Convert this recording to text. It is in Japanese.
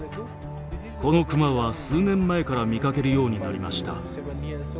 このクマは数年前から見かけるようになりました。